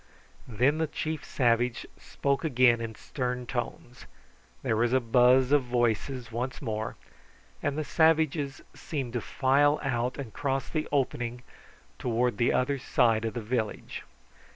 Then the chief savage spoke again in stern tones, there was a buzz of voices once more, and the savages seemed to file out and cross the opening towards the other side of the village.